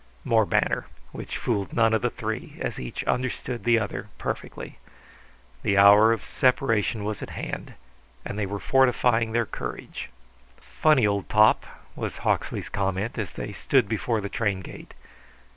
More banter; which fooled none of the three, as each understood the other perfectly. The hour of separation was at hand, and they were fortifying their courage. "Funny old top," was Hawksley's comment as they stood before the train gate.